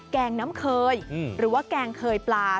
แกงน้ำเคยหรือว่าแกงเคยปลา